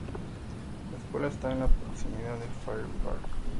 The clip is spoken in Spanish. La escuela está en la proximidad a Fair Park.